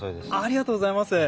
ありがとうございます。